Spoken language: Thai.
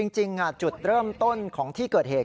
จริงจุดเริ่มต้นของที่เกิดเหตุ